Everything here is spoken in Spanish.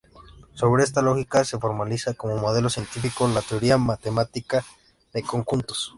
Sobre esta lógica se formaliza como modelo científico la teoría matemática de conjuntos.